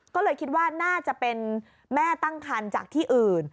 ก็เลยคิดว่าน่าจะเป็นแม่ตั้งคันจากที่อื่น